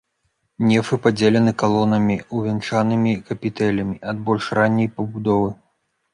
Нефы падзелены калонамі, увянчанымі капітэлямі ад больш ранняй пабудовы.